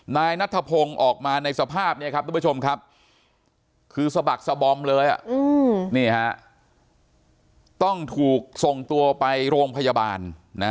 นายนัทธพงศ์ออกมาในสภาพนี้ครับทุกผู้ชมครับคือสะบักสะบอมเลยนี่ฮะต้องถูกส่งตัวไปโรงพยาบาล